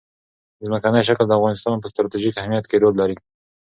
ځمکنی شکل د افغانستان په ستراتیژیک اهمیت کې رول لري.